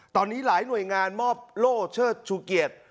ตอนนี้หลายหน่วยงานมอบโล่เชิดชูเกียรติ